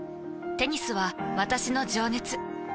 テニスは私の情熱。